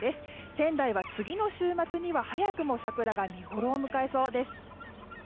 仙台は次の週末には早くも桜が見ごろを迎えそうです。